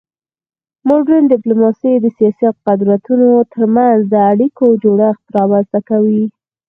مډرن ډیپلوماسي د سیاسي قدرتونو ترمنځ د اړیکو جوړښت رامنځته کوي